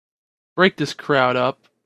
Break this crowd up!